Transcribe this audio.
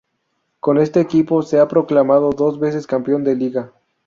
Con este equipo se ha proclamado dos veces campeón de Liga.